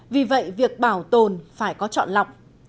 vì vậy việc bảo tồn phải có trọn lọc